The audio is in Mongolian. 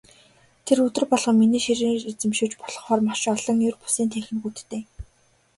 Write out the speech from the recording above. Тэр өдөр болгон миний шинээр эзэмшиж болохоор маш олон ер бусын техникүүдтэй.